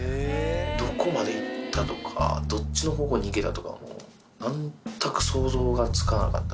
どこまで行ったとか、どっちの方向に逃げたとか、もう、全く想像がつかなかっ